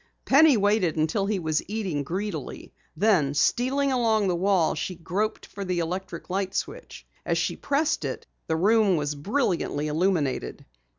Penny waited until he was eating greedily. Then stealing along the wall, she groped for the electric light switch. As she pressed it, the room was brilliantly illuminated.